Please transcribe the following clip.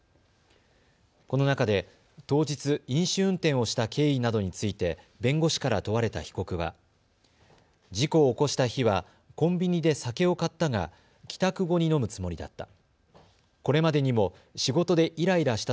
この中で当日、飲酒運転をした経緯などについて弁護士から問われた被告は事故を起こした日はコンビニで酒を買ったが帰宅後に飲むつもりだった。